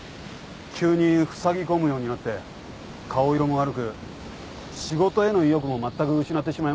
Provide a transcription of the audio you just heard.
急にふさぎ込むようになって顔色も悪く仕事への意欲もまったく失ってしまいました。